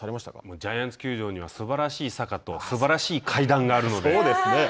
ジャイアンツ球場にはすばらしい坂と、すばらしい階段があるので。